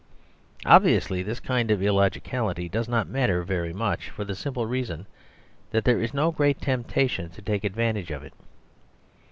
Obviously this kind of illogicality does not matter very much, for the simple reason that there is no great temptation to take advantage of it.